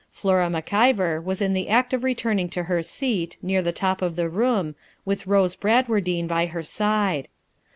Flora Mac Ivor was in the act of returning to her seat, near the top of the room, with Rose Bradwardine by her side.